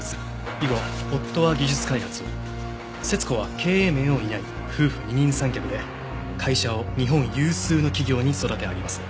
以後夫は技術開発を節子は経営面を担い夫婦二人三脚で会社を日本有数の企業に育て上げます。